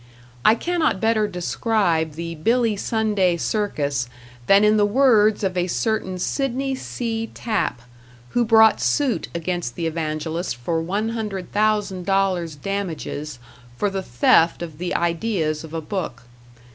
I cannot better describe the Billy Sunday circus than in the words of a certain Sidney C. Tapp, who brought suit against the evangelist for $100,000 damages for the theft of the ideas of a book.